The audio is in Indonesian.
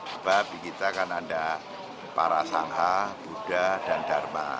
sebab bikin kita kan anda para sangha buddha dan dharma